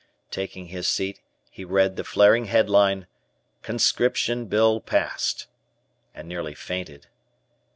Taking his seat, he read the flaring headline, "Conscription Bill Passed," and nearly fainted.